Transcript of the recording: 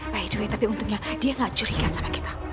by the way tapi untungnya dia gak curiga sama kita